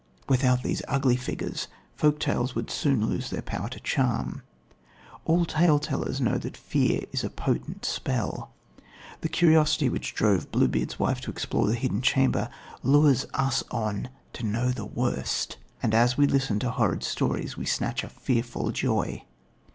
Without these ugly figures, folk tales would soon lose their power to charm. All tale tellers know that fear is a potent spell. The curiosity which drove Bluebeard's wife to explore the hidden chamber lures us on to know the worst, and as we listen to horrid stories, we snatch a fearful joy.